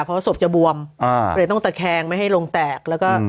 เพราะว่าศพจะบวมเลยต้องตะแคงไม่ให้โลงแตก